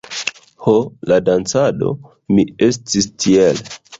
Ho la dancado! Mi estis tiel...